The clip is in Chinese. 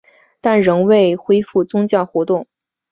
但仍未恢复宗教活动。